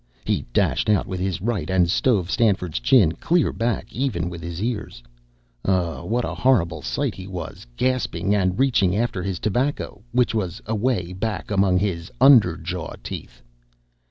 He dashed out with his right and stove Stanford's chin clear back even with his ears. Oh, what a horrible sight he was, gasping and reaching after his tobacco, which was away back among his under jaw teeth.